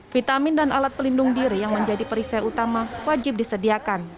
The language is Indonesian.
vitamin dan alat pelindung diri yang menjadi perisai utama wajib disediakan